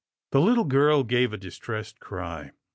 The little girl gave a distressed cry.